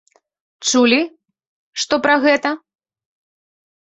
Чулі што пра гэта?